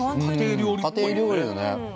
家庭料理のね。